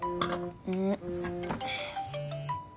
うん？